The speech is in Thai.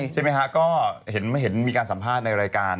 ใช่ไหมฮะก็เห็นมีการสัมภาษณ์ในรายการ